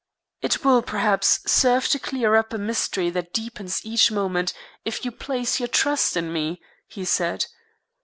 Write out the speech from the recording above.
"It will, perhaps, serve to clear up a mystery that deepens each moment if you place your trust in me," he said.